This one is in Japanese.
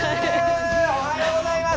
おはようございます。